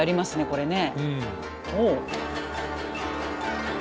これね。